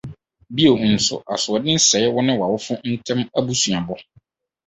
Bio nso, asoɔden sɛe wo ne w’awofo ntam abusuabɔ.